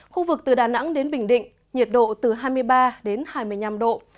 khu vực từ đà nẵng đến bình định nhiệt độ từ hai mươi ba đến hai mươi năm độ